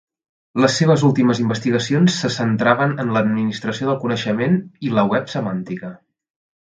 Les seves últimes investigacions se centraven en l'administració del coneixement i la Web semàntica.